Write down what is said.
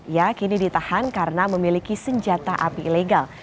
ia kini ditahan karena memiliki senjata api ilegal